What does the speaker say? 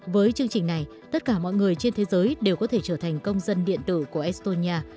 với chương trình này tất cả mọi người trên thế giới đều có thể trở thành công dân điện tử của estonia